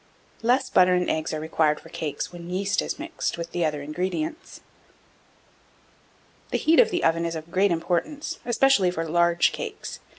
1708. Less butter and eggs are required for cakes when yeast is mixed with the other ingredients. 1709. The heat of the oven is of great importance, especially for large cakes.